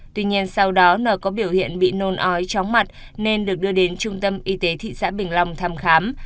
tuy nhiên sau đó nợ có biểu hiện bị nôn ói chóng mặt nên được đưa đến trung tâm y tế thị xã bình long thăm khám